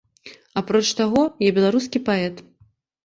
Апроч таго, я беларускі паэт.